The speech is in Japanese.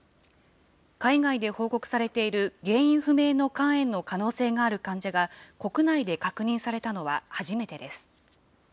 海外で報告されている、原因不明の肝炎の可能性がある患者が、国内で確認されたのは初めてです。